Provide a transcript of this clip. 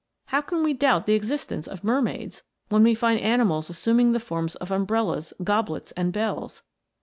How can we doubt the existence of mermaids, when we find animals assuming the forms of umbrellas, goblets, and bells